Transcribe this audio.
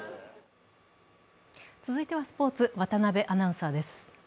続いてはスポーツ、渡部アナウンサーです。